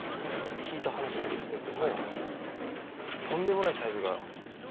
聞いた話なんですけれどもとんでもないサイズが釣れると。